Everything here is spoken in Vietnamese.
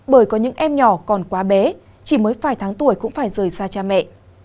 bởi có những em nhỏ còn quá bé chỉ mới vài tháng tuổi cũng phải rời xa cha mẹ